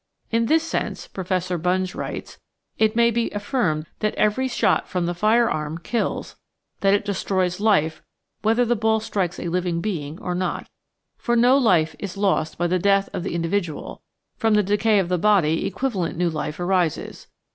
"In this sense," Professor Bunge writes, "it may be affirmed that every shot from a firearm kills, that it destroys life whether the ball strikes a liv ing being or not. For no life is lost by the death of the indi vidual; from the decay of the body equivalent new life arises.